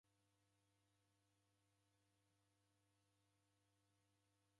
Pusi wadakunda kuw'uadilwa